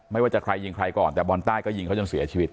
ไม่ว่าจะใครยิงใครก่อนแต่บอลใต้ก็ยิงเขาจนเสียชีวิต